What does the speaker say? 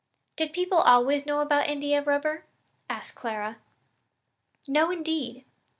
"Did people always know about India rubber?" asked Clara. "No indeed!